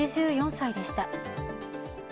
８４歳でした。